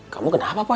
kamu kenapa bu